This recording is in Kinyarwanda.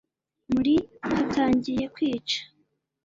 muri hatangiye kwica